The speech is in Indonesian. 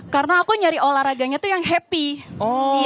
karena aku nyari olahraganya tuh yang happy